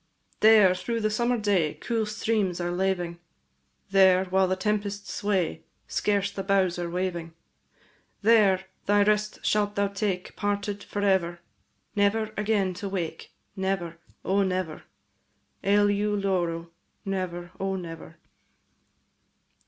There, through the summer day, Cool streams are laving; There, while the tempests sway, Scarce are boughs waving; There, thy rest shalt thou take, Parted for ever; Never again to wake, Never, O never! Eleu loro, &c. Never, O never!